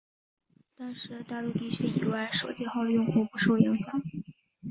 但是大陆地区以外手机号用户不受影响。